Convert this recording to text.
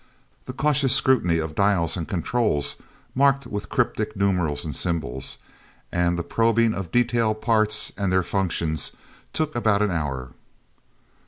The cautious scrutiny of dials and controls marked with cryptic numerals and symbols, and the probing of detail parts and their functions, took about an hour.